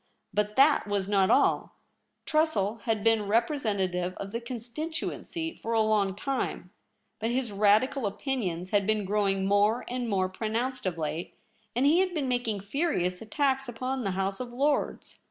But ^/la^ w^as not all. Tressel had been re presentative of the constituency for a long time ; but his Radical opinions had been growing more and more pronounced of late, and he had been making furious attacks upon the House of Lords.